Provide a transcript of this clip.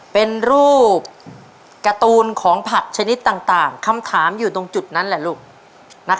เป็นรูปการ์ตูนของผักชนิดต่างคำถามอยู่ตรงจุดนั้นแหละลูก